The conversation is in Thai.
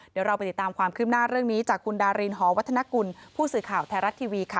เดี๋ยวเราไปติดตามความคืบหน้าเรื่องนี้จากคุณดารินหอวัฒนกุลผู้สื่อข่าวไทยรัฐทีวีค่ะ